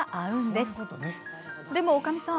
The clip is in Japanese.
でもおかみさん。